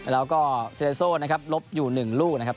แล้วก็เซเลโซ่นะครับลบอยู่๑ลูกนะครับ